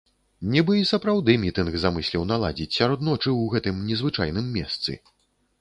Нібы і сапраўды мітынг замысліў наладзіць сярод ночы ў гэтым незвычайным месцы.